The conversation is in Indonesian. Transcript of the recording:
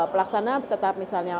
pelaksanaan tetap misalnya